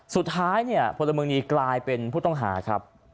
สุดท้ายเนี่ยพลเมืองดีกลายเป็นผู้ต้องหาครับ